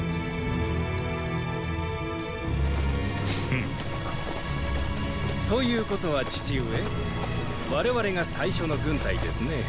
フッ。ということは父上我々が最初の軍隊ですね。